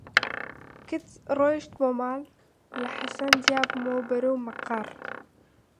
کچ ڕۆیشت بۆ ماڵ و لە حەسەن جیا بوومەوە و بەرەو مەقەڕ